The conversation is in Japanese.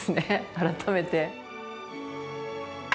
改めて。